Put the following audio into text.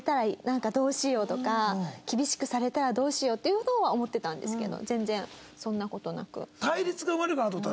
厳しくされたらどうしようっていうのは思ってたんですけど全然そんな事なく。